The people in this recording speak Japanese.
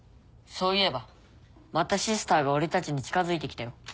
そういえばまたシスターが俺たちに近づいてきたよ。